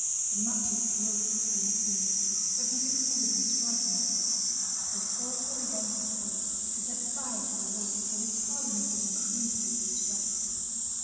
The matches broke between his fingers; but he succeeded in striking one. The sulphur began to boil, to set fire to the wood, with a tardiness that increased his distress.